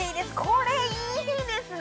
これ、いいですね。